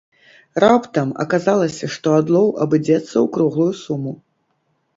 Раптам аказалася, што адлоў абыдзецца ў круглую суму!